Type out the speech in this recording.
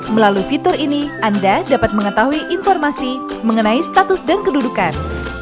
melalui fitur ini anda dapat mengetahui informasi mengenai status dan kedudukan